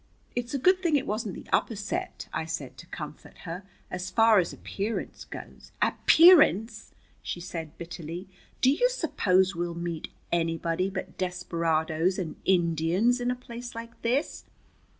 "It's a good thing it wasn't the upper set," I said, to comfort her. "As far as appearance goes " "Appearance!" she said bitterly. "Do you suppose we'll meet anybody but desperadoes and Indians in a place like this?